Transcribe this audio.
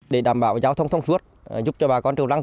để đảm bảo giao thông thông suốt giúp cho bà con triều lăng